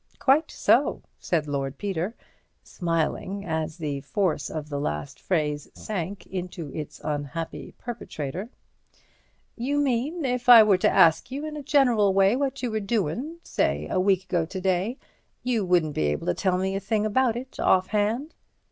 "Quite so," said Lord Peter, smiling as the force of the last phrase sank into its unhappy perpetrator; "you mean, if I were to ask you in a general way what you were doin'—say, a week ago to day, you wouldn't be able to tell me a thing about it offhand."